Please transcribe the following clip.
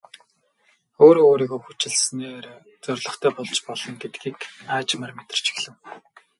Өөрөө өөрийгөө хүчилснээр зорилготой болж болно гэдгийг аажмаар мэдэрч эхлэв.